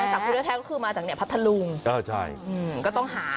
สาคูแท้ก็คือมาจากเนี่ยพัทธรุงก็ต้องหา